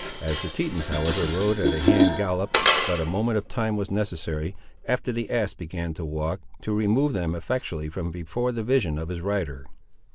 As the Tetons however rode at a hand gallop, but a moment of time was necessary, after the ass began to walk, to remove them effectually from before the vision of his rider.